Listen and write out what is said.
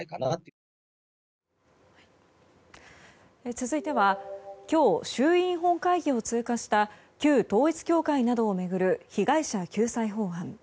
続いては今日、衆院本会議を通過した旧統一教会などを巡る被害者救済法案。